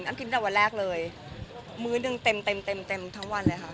อ้ำกินตั้งวันแรกเลยมื้อนึงเต็มทั้งวันเลยค่ะ